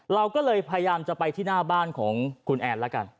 เราก็เลยพยายามจะไปที่หน้าบ้านของคุณแอนแล้วกัน